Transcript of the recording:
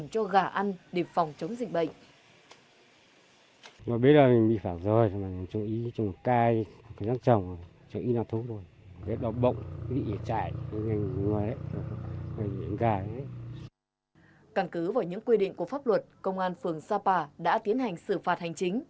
căn cứ vào những quy định của pháp luật công an phường sapa đã tiến hành xử phạt hành chính